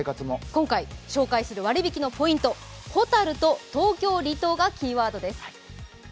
今回紹介する割引のポイント、ホタルと東京離島がキーワードです。